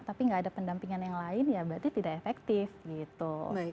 tapi nggak ada pendampingan yang lain ya berarti tidak efektif gitu